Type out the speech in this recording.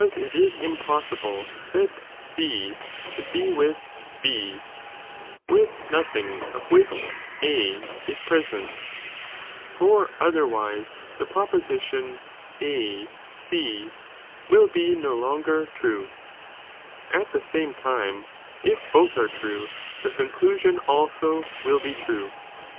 [book l J8 impossible that C ahould be with B, with nothing of which A is present ; for otherwise ' the proposition A C will be no longer true,* at the eame time, if both are true, the conclusioa also will be true.